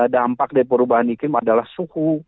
dampak dari perubahan iklim adalah suhu